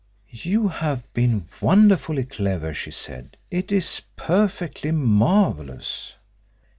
"You have been wonderfully clever," she said. "It is perfectly marvellous."